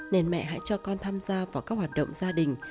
nên mẹ hãy cho con tham gia vào các hoạt động gia đình